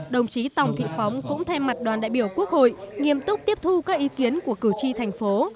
đồng chí tòng thị phóng cũng thay mặt đoàn đại biểu quốc hội nghiêm túc tiếp thu các ý kiến của cử tri thành phố